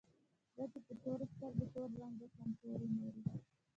زه چې په تورو سترګو تور رانجه کړم پورې مورې